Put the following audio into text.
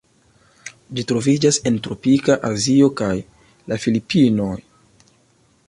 Ĝi troviĝas en tropika Azio kaj la Filipinoj.